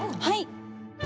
はい。